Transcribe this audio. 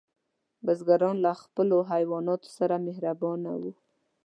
بزګران له خپلو حیواناتو سره مهربانه وو.